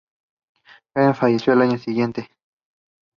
He was married with three sons.